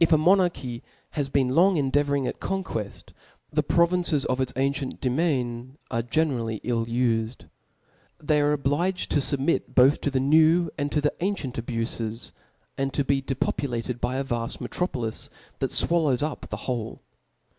If 4o6 t ti E S P I ]^ f f Boot If a monarchy has been long endeavouring H Chap.* io. conquefts, the provinces of its ancient demc&e are generally ill ufed. I'hey are obliged tofub mit both to the new and to the ancient abufes ; and to be depopulated by a vaft metropolis that fwallows up the whole.